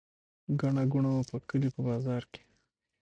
ګڼه ګوڼه وه په کلي په بازار کې.